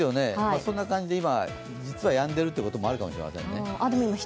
そんな感じで、今、実はやんでいるということもあるかもしれないですね。